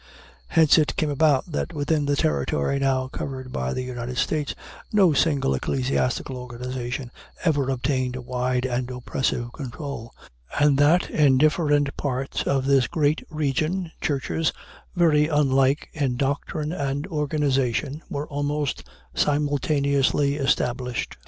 Hence it came about that within the territory now covered by the United States no single ecclesiastical organization ever obtained a wide and oppressive control, and that in different parts of this great region churches very unlike in doctrine and organization were almost simultaneously established.